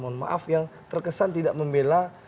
mohon maaf yang terkesan tidak membela